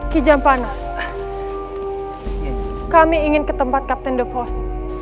kijampana kami ingin ke tempat kapten de vos